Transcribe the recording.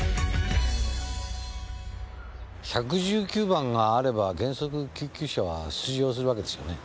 １１９番があれば原則救急車は出場するわけですよね？